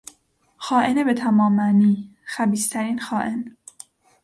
خائن به تمام معنی، خبیثترین خائن